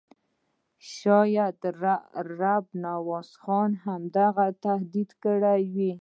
شاید رب نواز خان هغه تهدید کړی وي.